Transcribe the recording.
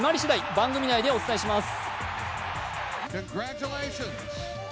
番組内でお知らせします。